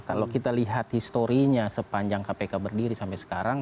kalau kita lihat historinya sepanjang kpk berdiri sampai sekarang